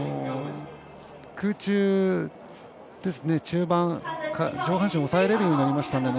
空中、中盤、上半身を押さえられるようになりました。